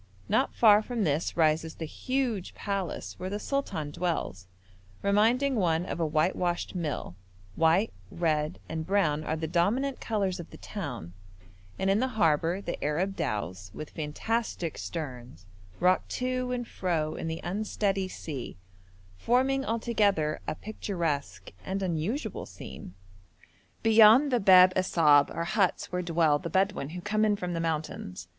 Not far from this rises the huge palace where the sultan dwells, reminding one of a whitewashed mill; white, red, and brown are the dominant colours of the town, and in the harbour the Arab dhows, with fantastic sterns, rock to and fro in the unsteady sea, forming altogether a picturesque and unusual scene. Beyond the Bab Assab are huts where dwell the Bedouin who come from the mountains.